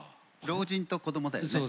老人と子どもだよね。